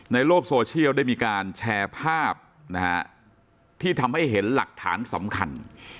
ในโลกโซเชียลได้มีการแชร์ภาพนะฮะที่ทำให้เห็นหลักฐานสำคัญ